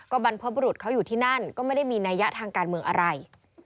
บรรพบุรุษเขาอยู่ที่นั่นก็ไม่ได้มีนัยยะทางการเมืองอะไร